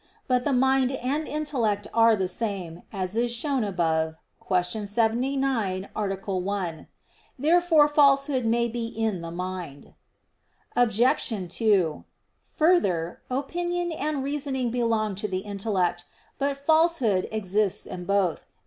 But the mind and intellect are the same, as is shown above (Q. 79, A. 1). Therefore falsehood may be in the mind. Obj. 2: Further, opinion and reasoning belong to the intellect. But falsehood exists in both.